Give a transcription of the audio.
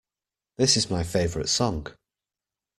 This is my favorite song!